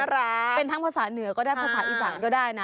เป็นทั้งภาษาเหนือก็ได้ภาษาอีสานก็ได้นะ